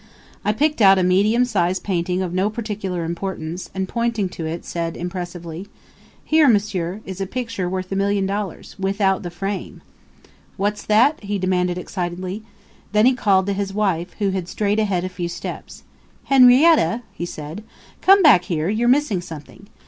I picked out a medium size painting of no particular importance and, pointing to it, said impressively: 'Here, m'sieur, is a picture worth a million dollars without the frame!' "'What's that?' he demanded excitedly. Then he called to his wife, who had strayed ahead a few steps. 'Henrietta,' he said, 'come back here you're missing something.